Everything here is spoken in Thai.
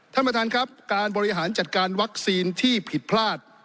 ท่านประธานครับการบริหารจัดการวัคซีนที่ผิดพลาด